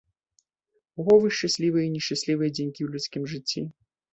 О, вы шчаслівыя і нешчаслівыя дзянькі ў людскім жыцці!